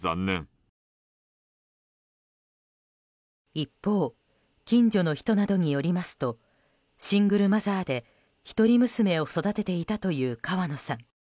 一方近所の人などによりますとシングルマザーで一人娘を育てていたという川野さん。